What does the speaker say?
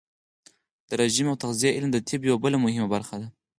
د رژیم او تغذیې علم د طب یوه بله مهمه برخه ده.